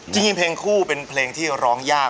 จริงเพลงคู่เป็นเพลงที่ร้องยาก